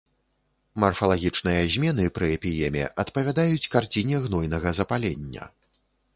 Марфалагічныя змены пры эмпіеме адпавядаюць карціне гнойнага запалення.